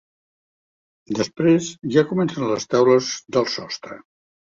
Després ja comencen les teules del sostre.